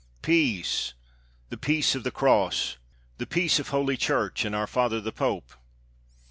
peace! the peace of the Cross — the peace of Holy Church, and our Father the Pope!"